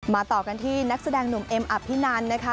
ต่อกันที่นักแสดงหนุ่มเอ็มอภินันนะคะ